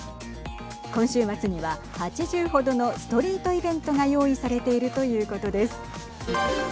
今週末には８０程のストリートイベントが用意されているということです。